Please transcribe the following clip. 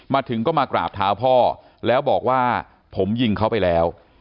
มาถึงก็มากราบเท้าพ่อแล้วบอกว่าผมยิงเขาไปแล้ว